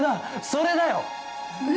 それだよ！